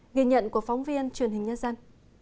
nghiên nhận của phóng viên truyền hình nhân dân